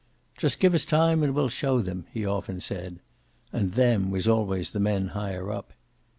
"Just give us time, and we'll show them," he often said. And "them" was always the men higher up.